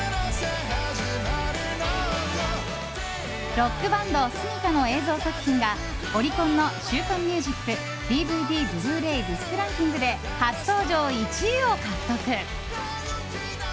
ロックバンドｓｕｍｉｋａの映像作品がオリコンの週間ミュージックＤＶＤ・ブルーレイディスクランキングで初登場１位を獲得！